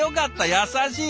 優しい！